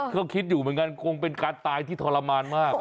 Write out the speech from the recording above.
ก็คิดอยู่เหมือนกันคงเป็นการตายที่ทรมานมาก